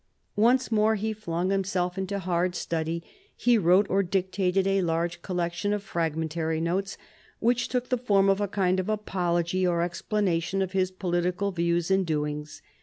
Once more he flung himself into hard study. He wrote or dictated a large collection of fragmentary notes, which took the form of a kind of apology or explanation of his political views and doings.